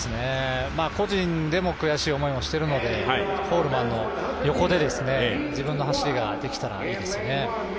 個人でも悔しい思いをしているので、コールマンの横で自分の走りができたらいいですよね。